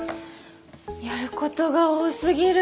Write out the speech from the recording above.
やることが多過ぎる。